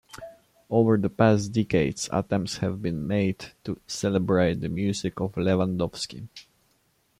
Over the past decades attempts have been made to celebrate the music of Lewandowski.